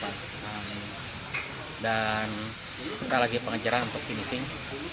dan kita lagi pengajaran untuk finishing